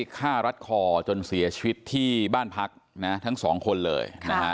ฆ่ารัดคอจนเสียชีวิตที่บ้านพักทั้งสองคนเลย